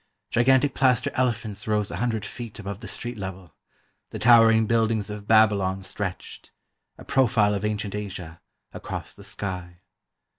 Gigantic plaster elephants rose a hundred feet above the street level; the towering buildings of Babylon stretched, a profile of ancient Asia, across the sky.